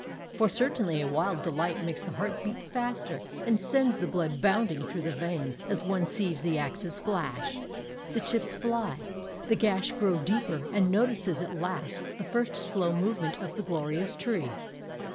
For certainly a wild delight makes the heart beat faster, and sends the blood bounding through the veins, as one sees the axes flash, the chips fly, the gash grow deeper, and notices at last the first slow movement of the glorious tree.